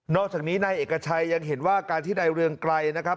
อกจากนี้นายเอกชัยยังเห็นว่าการที่นายเรืองไกรนะครับ